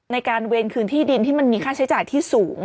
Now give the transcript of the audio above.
ในการเวรคืนที่ดินที่มันมีค่าใช้จ่ายที่สูง